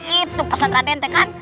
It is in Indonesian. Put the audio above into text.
itu pesan raden teh kan